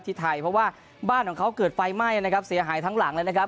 ที่ไทยเพราะว่าบ้านของเขาเกิดไฟไหม้นะครับเสียหายทั้งหลังเลยนะครับ